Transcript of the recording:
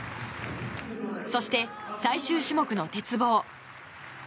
そして、最終種目の鉄棒。